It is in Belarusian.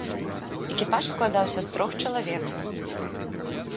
Экіпаж складаўся з трох чалавек.